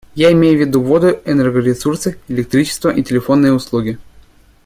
Я имею в виду воду, энергоресурсы, электричество и телефонные услуги.